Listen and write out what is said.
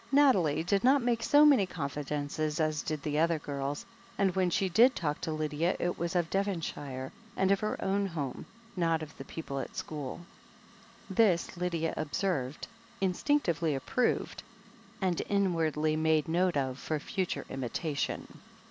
Nathalie did not make so many confidences as did the other girls, and when she did talk to Lydia it was of Devonshire and of her own home, not of the people at school. This Lydia observed, instinctively approved, and inwardly made note of for future imitation.